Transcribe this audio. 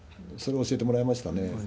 それを教えてもらいましたね。